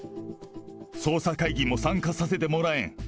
捜査会議も参加させてもらえん。